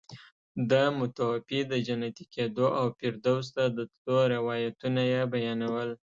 د متوفي د جنتي کېدو او فردوس ته د تلو روایتونه یې بیانول.